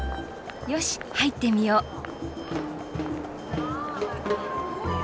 よし入ってみよう。